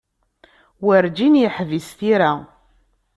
Werǧin yeḥbis tira.